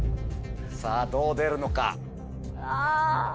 さぁどう出るのか？